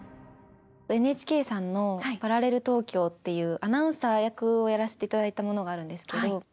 ＮＨＫさんの「パラレル東京」っていうアナウンサー役をやらせていただいたものがあるんですけど。